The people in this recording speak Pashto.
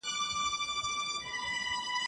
جملې په چټکتيا سره مه واياست